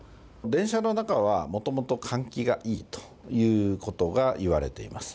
電車の中はもともと換気がいいということがいわれています。